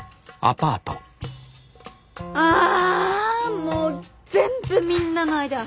あもう全部みんなのアイデア！